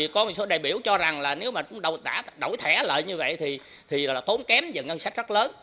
có một số đại biểu cho rằng là nếu mà đổi thẻ lại như vậy thì tốn kém và ngân sách rất lớn